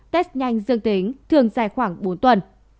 test nhanh dương tính thường dài khoảng bốn tuần